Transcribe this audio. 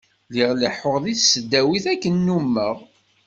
Lliɣ leḥḥuɣ deg tesdawit akken nummeɣ.